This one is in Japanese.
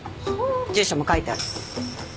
住所も書いてある。